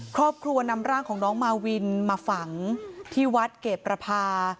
ครอบครัวนำร่างของน้องมาวินมาฝังที่วัดเกรดประพา